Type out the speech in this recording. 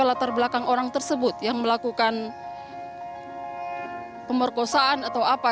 latar belakang orang tersebut yang melakukan pemerkosaan atau apa